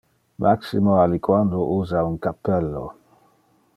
Maximo aliquando usa un cappello.